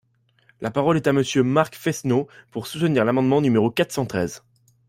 La parole est à Monsieur Marc Fesneau, pour soutenir l’amendement numéro quatre cent treize.